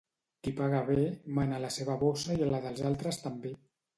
Qui paga bé, mana a la seva bossa i a la dels altres també.